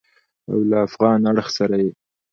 او له افغان اړخ سره یې